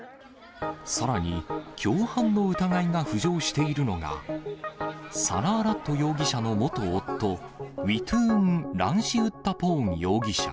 さらに、共犯の疑いが浮上しているのが、サラーラット容疑者の元夫、ウィトゥーン・ランシウッタポーン容疑者。